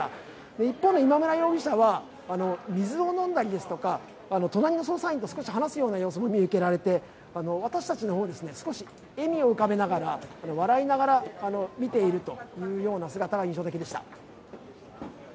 一方の今村容疑者は水を飲んだり、隣の捜査員と少し話す様子も見受けられて、私たちの方、少し笑みを浮かべながら笑いながら見ているというような姿が印象的でした。